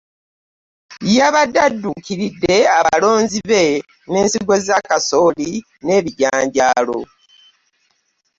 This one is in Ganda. Yabadde adduukiridde abalonzi be n'ensigo za Kasooli n'ebijanjaalo